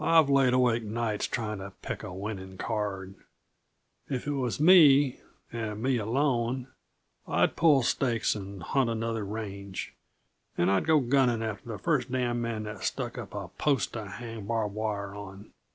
I've laid awake nights tryin' to pick a winning card. If it was me, and me alone, I'd pull stakes and hunt another range and I'd go gunning after the first damn' man that stuck up a post to hang barb wire on.